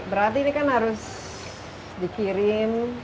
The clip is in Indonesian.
berarti ini kan harus dikirim